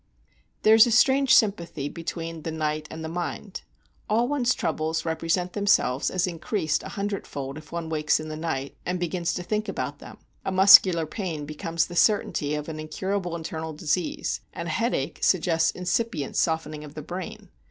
There is a strange sympathy between the night and the mind. All one's troubles represent themselves as increased a hundredfold if one wakes in the night, and begins to think about them. A muscular pain becomes the certainty of an incurable internal disease; and a headache suggests incipient softening of the brain.